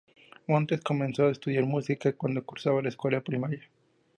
Montes comenzó a estudiar música cuando cursaba la escuela primaria.